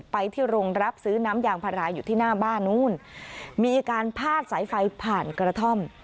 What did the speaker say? ไปที่โรงรับซื้อน้ำยางพาราอยู่ที่หน้าบ้านนู้นมีการพาดสายไฟผ่านกระท่อม